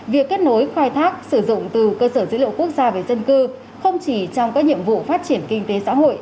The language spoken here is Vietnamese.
việc kết nối khai thác sử dụng từ cơ sở dữ liệu quốc gia về dân cư không chỉ trong các nhiệm vụ phát triển kinh tế xã hội